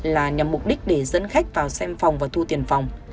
là nhằm mục đích để dẫn khách vào xem phòng và thu tiền phòng